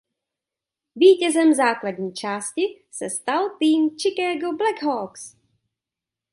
Vítězem základní části se stal tým Chicago Blackhawks.